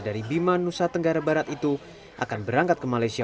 dari bima nusa tenggara barat itu akan berangkat ke malaysia